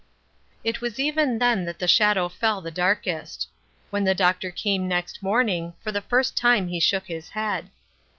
It was even then that the shadow fell the darkest. When the doctor came next morn ing, for the first time he shook his head.